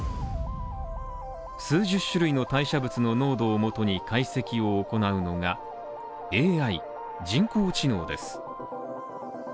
数十種類の代謝物の濃度をもとに解析を行うのがＡＩ＝人工知能です